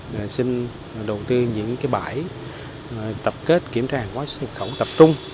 nên xin đầu tư những bãi tập kết kiểm tra hàng quá xe khẩu tập trung